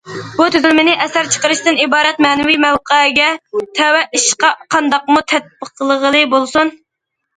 بۇ تۈزۈلمىنى ئەسەر چىقىرىشتىن ئىبارەت مەنىۋى مەۋقەگە تەۋە ئىشقا قانداقمۇ تەتبىقلىغىلى بولسۇن؟!